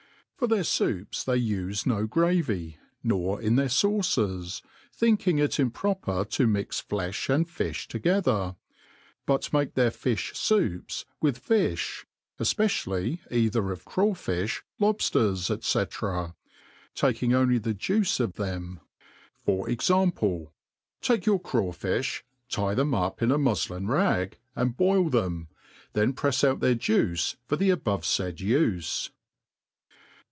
For their foups they ufe no gravy, nor in their fauces, think ing it improper to miK ilefh and fifh together ; but make their fifh foups with fiflb, vi^. either of craw fifli, lobflers, icc^ t^ing only the j uice of theoi. : FOR EXAMPLE. TAKE ypur craw fifh, tie them up in a muflin rag, and boil tbems then prefs ou; thpir juice for the abovffaid ufe.